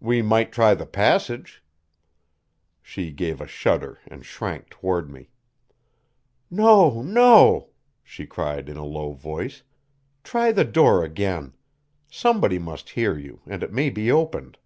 "We might try the passage." She gave a shudder and shrank toward me. "No, no," she cried in a low voice. "Try the door again. Somebody must hear you, and it may be opened."